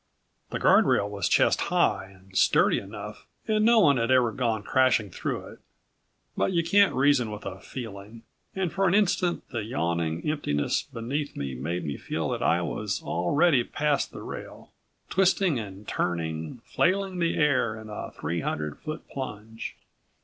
The guard rail was chest high and sturdy enough, and no one had ever gone crashing through it. But you can't reason with a feeling, and for an instant the yawning emptiness beneath me made me feel that I was already past the rail, twisting and turning, flailing the air in a three hundred foot plunge.